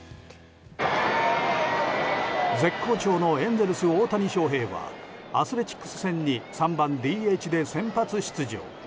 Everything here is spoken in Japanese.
絶好調のエンゼルス大谷翔平はアスレチックス戦に３番ＤＨで先発出場。